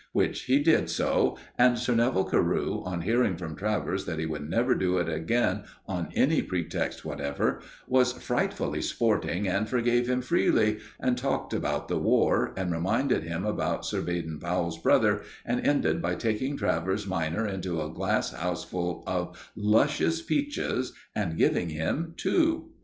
Which he did so, and Sir Neville Carew, on hearing from Travers that he would never do it again on any pretext whatever, was frightfully sporting and forgave him freely, and talked about the War, and reminded him about Sir Baden Powell's brother, and ended by taking Travers minor into a glass house full of luscious peaches and giving him two.